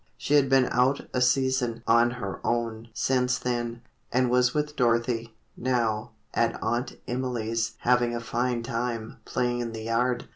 She had been out a season "on her own" since then, and was with Dorothy, now, at Aunt Emily's "having a fine time, playing in the yard.